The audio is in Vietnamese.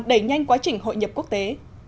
đẩy nhanh quá trình hội nhập quốc tế